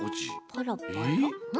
パラパラ？